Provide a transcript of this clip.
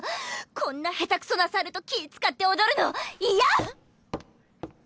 こんな下手くそな猿と気ぃ遣って踊るの嫌！